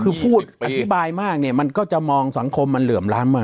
คือพูดอธิบายมากเนี่ยมันก็จะมองสังคมมันเหลื่อมล้ำมาก